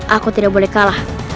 aku tidak boleh kalah